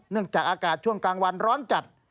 จากอากาศช่วงกลางวันร้อนจัด